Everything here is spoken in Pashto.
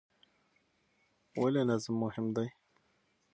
ولې نظم مهم دی؟